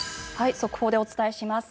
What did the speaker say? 速報でお伝えします。